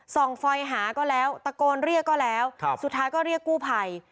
ส่องไฟหาก็แล้วตะโกนเรียกก็แล้วสุดท้ายก็เรียกกู้ภัย